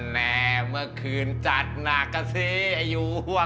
แน่มาคืนจัดหนักอะสิอายุ